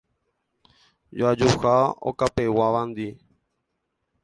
Joajuha okapeguávandi.